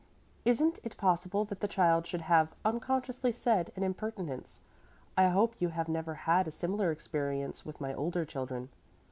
"Isn't it possible that the child should have unconsciously said an impertinence? I hope you have never had a similar experience with my older children."